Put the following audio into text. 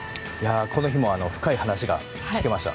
この日も深い話が聞けました。